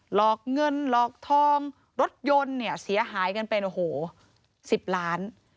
หลอกเงินหลอกทองรถยนต์เนี่ยเสียหายกันเป็นโอ้โห๑๐ล้าน